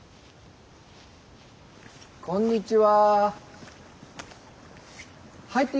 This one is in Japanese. こんにちは。